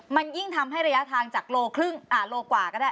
มันยิ่งทำให้ระยะทางจากโลกว่าก็ได้